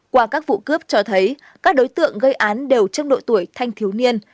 qua các vụ cướp cho thấy các đối tượng gây án đều trong độ tuổi thanh thiếu niên